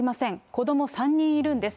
子ども３人いるんです。